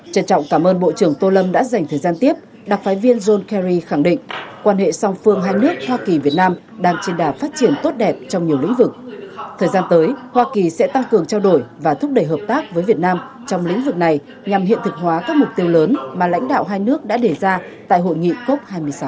trân trọng cảm ơn bộ trưởng tô lâm đã dành thời gian tiếp đặc phái viên john kerry khẳng định quan hệ song phương hai nước hoa kỳ việt nam đang trên đà phát triển tốt đẹp trong nhiều lĩnh vực thời gian tới hoa kỳ sẽ tăng cường trao đổi và thúc đẩy hợp tác với việt nam trong lĩnh vực này nhằm hiện thực hóa các mục tiêu lớn mà lãnh đạo hai nước đã đề ra tại hội nghị cop hai mươi sáu